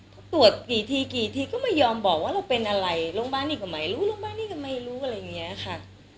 ถ้าตรวจกี่ทีกี่ทีก็ไม่ยอมบอกว่าเราเป็นอะไรลงบ้านอีกหรือไม่รู้ลงบ้านอีกหรือไม่รู้อะไรอย่างนี้ค่ะ